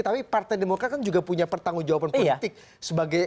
tapi partai demokrat kan juga punya pertanggung jawaban politik